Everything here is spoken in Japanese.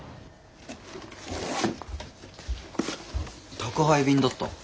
宅配便だった。